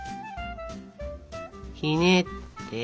ひねって。